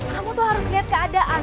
kamu tuh harus lihat keadaan